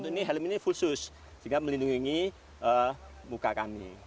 dan helm ini fulsus sehingga melindungi muka kami